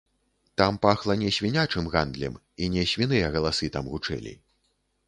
Там пахла не свінячым гандлем, і не свіныя галасы там гучэлі.